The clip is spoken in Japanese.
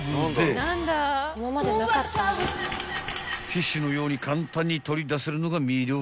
［ティッシュのように簡単に取り出せるのが魅力］